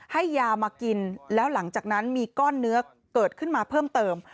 ให้ยามากินแล้วหลังจากนั้นมีก้อนเนื้อเกิดขึ้นมาเพิ่มเติม